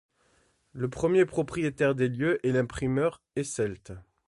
Le premier propriétaire des lieux est l'imprimeur Esselte.